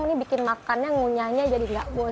ini bikin makannya ngunyanya jadi nggak bosan